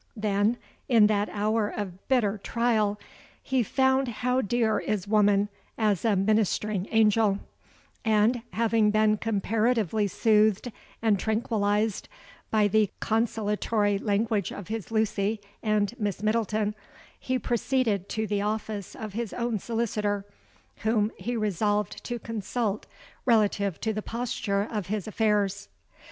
Then, in that hour of bitter trial, he found how dear is woman as a 'ministering angel;' and, having been comparatively soothed and tranquillised by the consolatory language of his Lucy and Miss Middleton, he proceeded to the office of his own solicitor, whom he resolved to consult relative to the posture of his affairs.